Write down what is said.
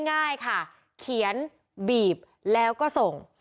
ง่ายค่ะเขียนบีบแล้วก็ส่ง